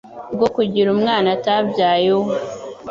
bwo kugira umwana atabyaye uwe